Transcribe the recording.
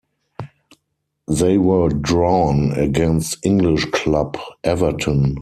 They were drawn against English club Everton.